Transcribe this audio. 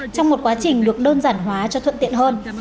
trong một quá trình được đơn giản hóa cho thuận tiện hơn